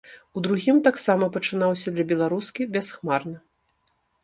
У другім таксама пачынаўся для беларускі бясхмарна.